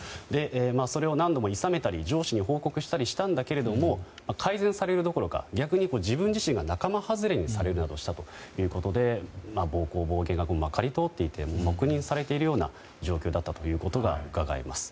それを何度もいさめたり上司に報告したりしたけど改善されるどころか逆に自分自身が仲間はずれされるなどしたと暴行や暴言がまかり通っているのが黙認されているような状況だったということがうかがえます。